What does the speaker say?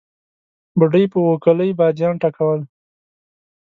بوډۍ په اوکلۍ باديان ټکول.